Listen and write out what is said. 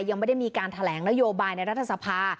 ยังไม่ได้มีการแถลงนโยบายในรัฐสภา